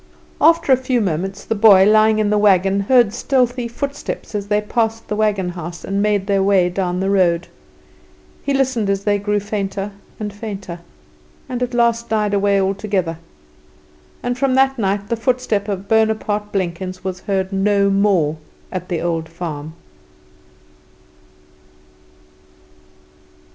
After a few moments the boy, lying in the wagon, heard stealthy footsteps as they passed the wagon house and made their way down the road. He listened as they grew fainter and fainter, and at last died away altogether, and from that night the footstep of Bonaparte Blenkins was heard no more at the old farm.